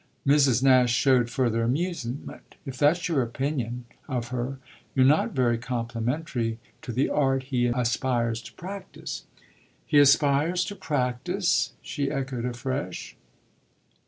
Mr. Nash showed further amusement. "If that's your opinion of her you're not very complimentary to the art he aspires to practise." "He aspires to practise?" she echoed afresh.